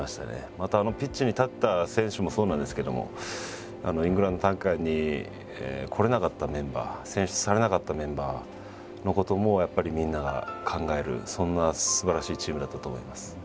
またあのピッチに立った選手もそうなんですけどもイングランド大会に来れなかったメンバー選出されなかったメンバーのこともやっぱりみんなが考えるそんなすばらしいチームだったと思います。